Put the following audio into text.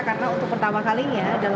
karena untuk pertama kalinya